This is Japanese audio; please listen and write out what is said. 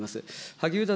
萩生田